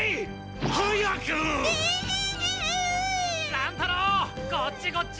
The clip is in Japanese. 乱太郎こっちこっち！